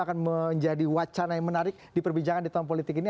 akan menjadi wacana yang menarik di perbincangan di tahun politik ini